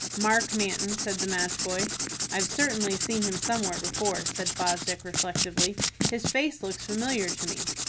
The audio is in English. "Mark Manton," said the match boy. "I've certainly seen him somewhere before," said Fosdick, reflectively. "His face looks familiar to me."